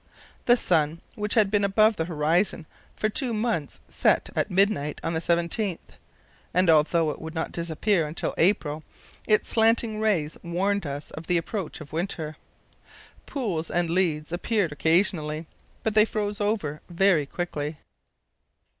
The sun, which had been above the horizon for two months, set at midnight on the 17th, and, although it would not disappear until April, its slanting rays warned us of the approach of winter. Pools and leads appeared occasionally, but they froze over very quickly.